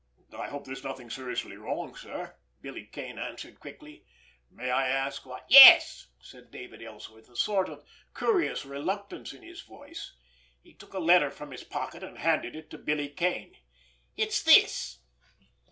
"I hope there's nothing seriously wrong, sir," Billy Kane answered quickly. "May I ask what——" "Yes," said David Ellsworth, a sort of curious reluctance in his voice. He took a letter from his pocket, and handed it to Billy Kane. "It's this."